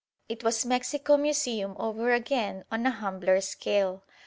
It was Mexico Museum over again on a humbler scale.